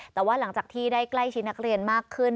แต่ว่าหลังจากที่ได้ใกล้ชิดนักเรียนมากขึ้น